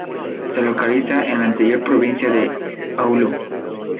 Se localiza en la anterior provincia de Oulu.